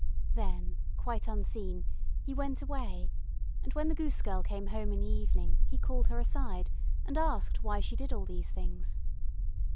Then, quite unseen, he went away, and when the goose girl came home in the evening, he called her aside, and asked why she did all these things.